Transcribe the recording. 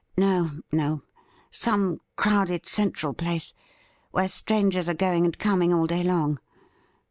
No, no, some crowded central place where strangers are going and coming all day long.